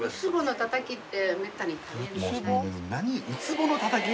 ウツボのたたき？